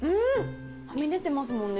はみ出てますもんね。